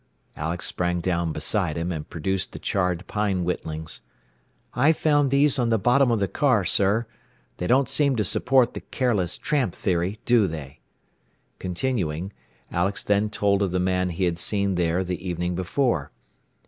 Alex sprang down beside him, and produced the charred pine whittlings. "I found these on the bottom of the car, sir. They don't seem to support the careless tramp theory, do they?" Continuing, Alex then told of the man he had seen there the evening before.